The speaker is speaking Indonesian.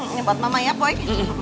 ini buat mama ya poi